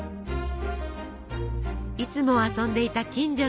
いつも遊んでいた近所の神社。